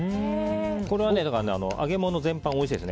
これは揚げ物全般においしいです。